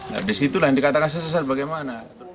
nah disitulah yang dikatakan sesat bagaimana